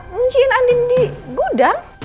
munciin andi di gudang